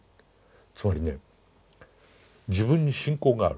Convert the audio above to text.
つまりね自分に信仰がある。